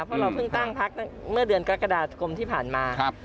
เพราะเราเพิ่งตั้งพักเมื่อเดือนกรกฎาคมที่ผ่านมา